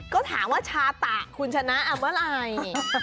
ก็ถามว่าชาตะคุณชนะเมื่อไหร่